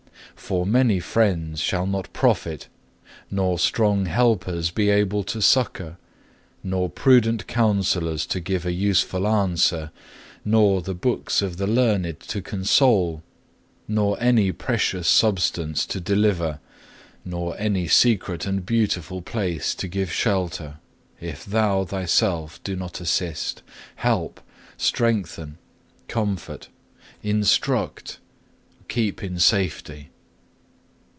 For many friends shall not profit, nor strong helpers be able to succour, nor prudent counsellors to give a useful answer, nor the books of the learned to console, nor any precious substance to deliver, nor any secret and beautiful place to give shelter, if Thou Thyself do not assist, help, strengthen, comfort, instruct, keep in safety.